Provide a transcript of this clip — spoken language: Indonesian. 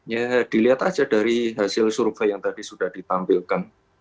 ya dilihat aja dari hasil survei yang tadi sudah ditampilkan